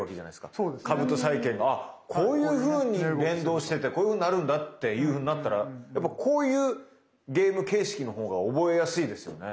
株と債券がこういうふうに連動しててこういうふうになるんだっていうふうになったらやっぱこういうゲーム形式のほうが覚えやすいですよね。